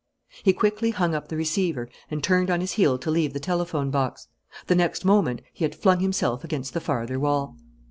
He quickly hung up the receiver and turned on his heel to leave the telephone box. The next moment he had flung himself against the farther wall.